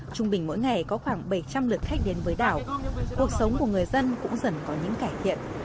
trung bình mỗi ngày có khoảng bảy trăm linh lượt khách đến với đảo cuộc sống của người dân cũng dần có những cải thiện